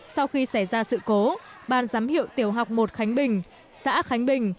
sau khi xảy ra sự cố ban giám hiệu tiểu học một khánh bình xã khánh bình